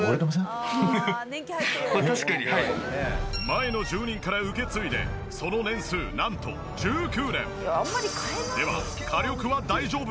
前の住人から受け継いでその年数なんと１９年！では火力は大丈夫なのか？